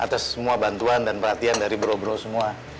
atas semua bantuan dan perhatian dari bro bro semua